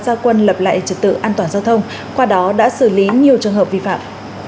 gia quân lập lại trật tự an toàn giao thông qua đó đã xử lý nhiều trường hợp vi phạm